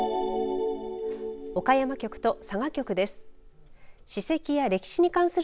岡山局と佐賀局です。